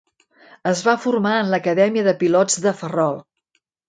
Es va formar en l'acadèmia de pilots de Ferrol.